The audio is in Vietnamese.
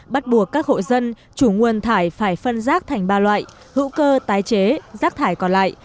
bắt buộc các hộ dân chủ nguồn thải phải phân rác thành ba loại hữu cơ tái chế rác thải còn lại